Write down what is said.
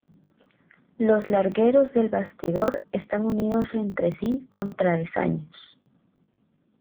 Los largueros del bastidor están unidos entre sí con travesaños.